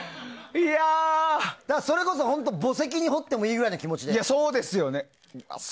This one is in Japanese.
だから、それこそ本当に墓石に彫ってもいいくらいの気持ちで。